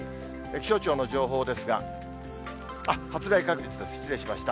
気象庁の情報ですが、発雷確率です、失礼しました。